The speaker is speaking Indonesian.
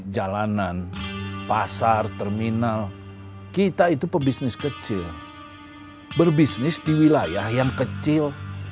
jalanan pasar terminal kita itu pebisnis kecil berbisnis di wilayah yang kecil